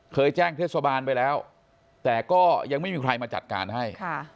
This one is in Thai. แจ้งเทศบาลไปแล้วแต่ก็ยังไม่มีใครมาจัดการให้